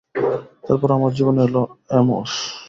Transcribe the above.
তারপর আমার জীবনে এলো অ্যামোস।